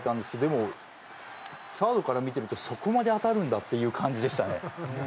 でもサードから見てるとそこまで当たるんだっていう感じでしたね。